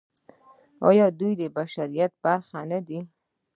آیا دوی د بشریت برخه نه دي؟